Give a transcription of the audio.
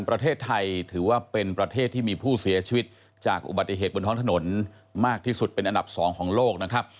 ประเทศไทยถือว่าเป็นประเทศที่มีผู้เสียชีวิตจากอุบัติเหตุบนท้องถนนมากที่สุดเป็นอันดับ๒ของโลกนะครับ